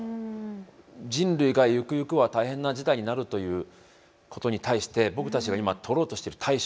人類がゆくゆくは大変な事態になるということに対して僕たちが今取ろうとしている対処はこれは間に合うんでしょうか？